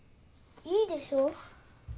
いいでしょ？